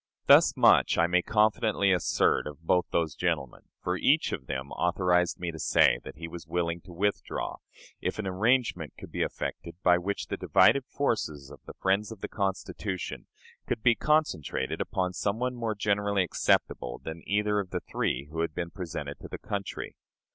Thus much I may confidently assert of both those gentlemen; for each of them authorized me to say that he was willing to withdraw, if an arrangement could be effected by which the divided forces of the friends of the Constitution could be concentrated upon some one more generally acceptable than either of the three who had been presented to the country.